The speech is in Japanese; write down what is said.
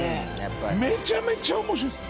めちゃめちゃ面白いです！